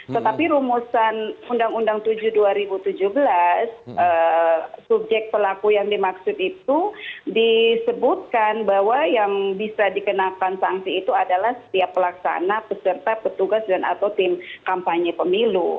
tetapi rumusan undang undang tujuh dua ribu tujuh belas subjek pelaku yang dimaksud itu disebutkan bahwa yang bisa dikenakan sanksi itu adalah setiap pelaksana peserta petugas dan atau tim kampanye pemilu